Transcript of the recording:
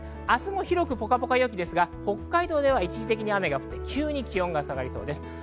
明日も広くポカポカ陽気ですが、北海道では一時的に雨が急に気温が下がりそうです。